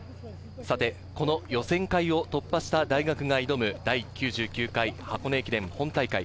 この予選会を突破した大学が挑む、第９９回箱根駅伝本大会。